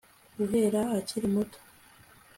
Guhera akiri muto